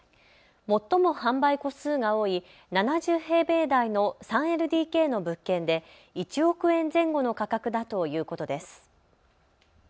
最も販売戸数が多い７０平米台の３ＬＤＫの物件で１億円前後の価格だということです。